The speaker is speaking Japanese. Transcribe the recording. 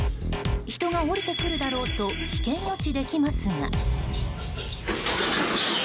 人が降りてくるだろうと危険予知できますが。